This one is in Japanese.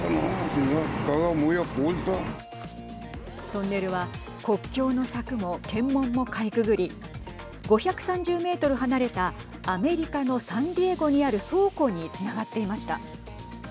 トンネルは国境の柵も検問もかいくぐり５３０メートル離れたアメリカのサンディエゴにある倉庫につながっていました。